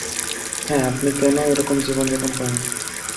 হ্যাঁ আপনি কেন এরকম জীবন-যাপন করেন?